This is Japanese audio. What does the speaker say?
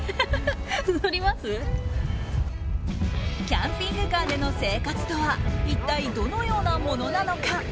キャンピングカーでの生活とは一体どのようなものなのか。